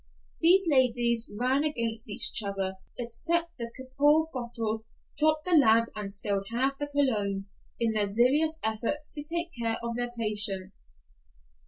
These ladies ran against each other, upset the camphor bottle, dropped the lamp and spilled half the cologne, in their zealous efforts to take care of their patient!